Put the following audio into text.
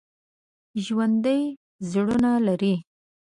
ژوندي زړونه لري